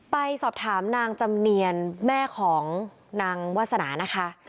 ไปสอบถามนางจำเนียนแม่ของนางวาสนานะคะ